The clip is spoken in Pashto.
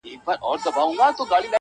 • د پانوس جنازه وزي خپلي شمعي سوځولی -